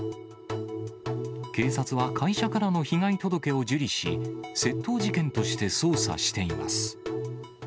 警察は会社からの被害届を受理し、窃盗事件として捜査しています。